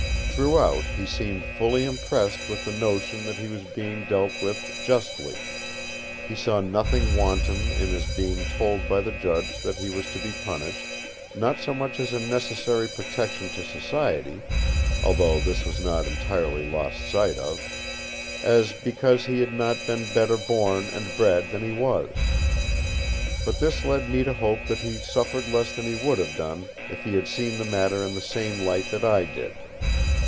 Throughout he seemed fully impressed with the notion that he was being dealt with justly: he saw nothing wanton in his being told by the judge that he was to be punished, not so much as a necessary protection to society (although this was not entirely lost sight of), as because he had not been better born and bred than he was. But this led me to hope that he suffered less than he would have done if he had seen the matter in the same light that I did.